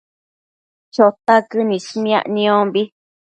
Chotaquën ismiac niombi